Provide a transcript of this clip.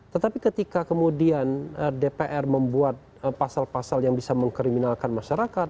tetapi ketika kemudian dpr membuat pasal pasal yang bisa mengkriminalkan masyarakat